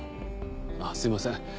あっすいません。